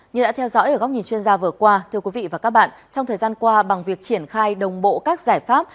như đã theo dõi ở góc nhìn chuyên gia vừa qua thưa quý vị và các bạn trong thời gian qua bằng việc triển khai đồng bộ các giải pháp